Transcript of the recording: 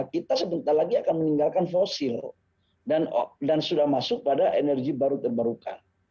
kita sebentar lagi akan meninggalkan fosil dan sudah masuk pada energi baru terbarukan